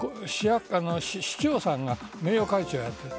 市長さんが名誉会長をやっている。